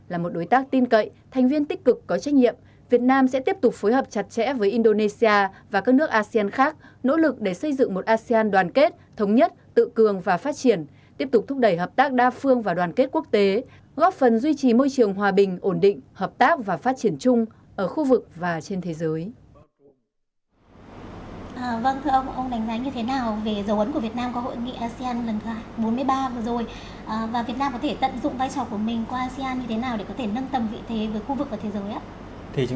là một đối tác tin cậy thành viên tích cực có trách nhiệm việt nam sẽ tiếp tục phối hợp chặt chẽ với indonesia và các nước asean khác nỗ lực để xây dựng một asean đoàn kết thống nhất tự cường và phát triển tiếp tục thúc đẩy hợp tác đa phương và đoàn kết quốc tế góp phần duy trì môi trường hòa bình ổn định hợp tác và phát triển chung ở khu vực và trên thế giới